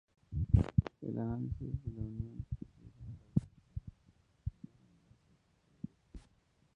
El análisis de la unión sugiere la ausencia de un enlace Co-Co directo.